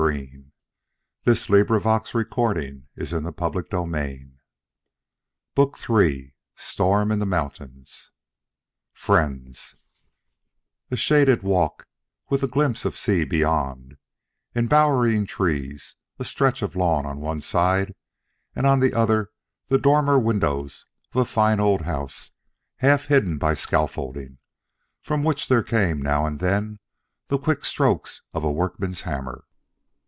The rest was business with which we need not concern ourselves. BOOK III STORM IN THE MOUNTAINS XVI FRIENDS A shaded walk, with a glimpse of sea beyond, embowering trees, a stretch of lawn on one side, and on the other the dormer windows of a fine old house half hidden by scaffolding, from which there came now and then the quick strokes of a workman's hammer.